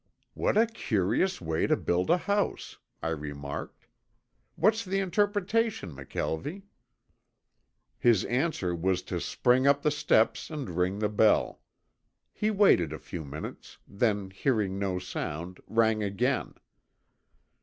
"What a curious way to build a house," I remarked. "What's the interpretation, McKelvie?" His answer was to spring up the steps and ring the bell. He waited a few minutes, then hearing no sound rang again.